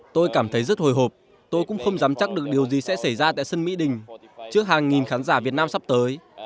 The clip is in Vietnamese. tôi cảm thấy rất hồi hộp tôi cũng không dám chắc được điều gì sẽ xảy ra tại sân mỹ đình trước hàng nghìn khán giả việt nam sắp tới